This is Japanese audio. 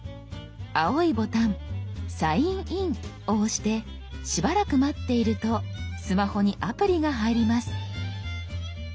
青いボタン「サインイン」を押してしばらく待っているとスマホにアプリが入ります。